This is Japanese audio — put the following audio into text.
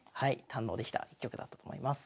堪能できた一局だったと思います。